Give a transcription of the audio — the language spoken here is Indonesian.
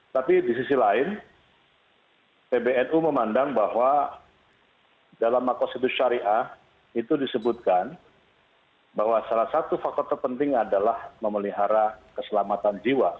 tapi di sisi lain pbnu memandang bahwa dalam makos itu syariah itu disebutkan bahwa salah satu faktor terpenting adalah memelihara keselamatan jiwa